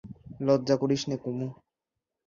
লজ্জা করিস নে কুমু।